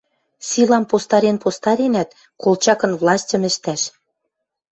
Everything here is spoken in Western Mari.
Силам постарен-постаренӓт, Колчакын властьым ӹштӓш.